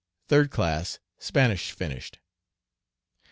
Third class, Spanish finished.